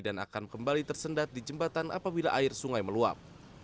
dan akan kembali tersendat di jembatan apabila air sungai meluap